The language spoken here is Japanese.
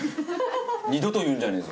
二度と言うんじゃねえぞ。